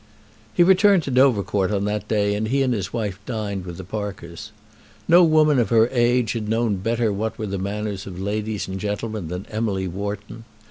He returned to Dovercourt on that day, and he and his wife dined with the Parkers. No woman of her age had known better what were the manners of ladies and gentlemen than Emily Wharton.